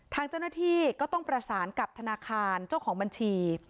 ทางเจ้าหน้าที่ก็ต้องประสานกับธนาคารเจ้าของบัญชี